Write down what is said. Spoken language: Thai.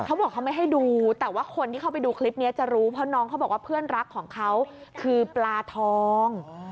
เขาบอกเขาไม่ให้ดูแต่ว่าคนที่เข้าไปดูคลิปนี้จะรู้เพราะน้องเขาบอกว่าเพื่อนรักของเขาคือปลาทอง